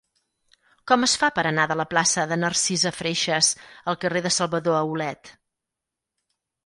Com es fa per anar de la plaça de Narcisa Freixas al carrer de Salvador Aulet?